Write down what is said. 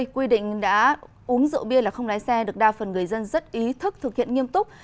quy định đã uống rượu bia là không lái xe được đa phần người dân rất ý thức thực hiện nghiêm túc